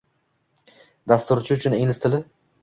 Dasturchi uchun ingliz tili